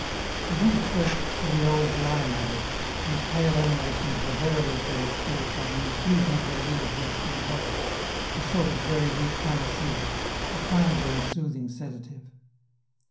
He went at first to the old lime alley, whose pale emanations were verily for his spirit what an infusion of their leaves is for the body, a sort of very weak panacea, a kindly and soothing sedative.